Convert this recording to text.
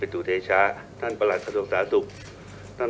ท่านอุปทธิ์อย่างสินมอบเวชภัณฑ์มิชยาให้แก่ท่าน